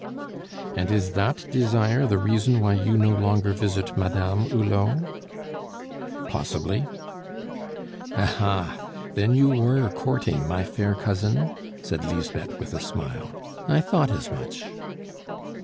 "And is that desire the reason why you no longer visit Madame Hulot?" "Possibly." "Ah, ha! then you were courting my fair cousin?" said Lisbeth, with a smile. "I thought as much."